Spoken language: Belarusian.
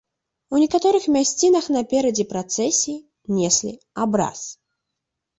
У некаторых мясцінах наперадзе працэсіі неслі абраз.